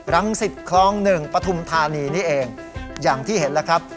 รังสิตคลอง๑ปฐุมธานีนี่เองอย่างที่เห็นแล้วครับ